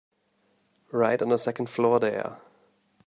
Right on the second floor there.